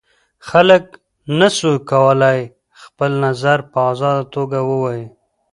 خلګو نسوای کولای خپل نظر په ازاده توګه ووایي.